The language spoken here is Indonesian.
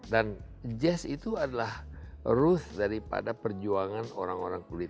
dan jazz itu adalah ruth daripada perjuangan orang orang kecil